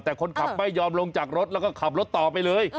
แต่คนขับไม่ยอมลงจากรถแล้วก็ขับรถต่อไปเลย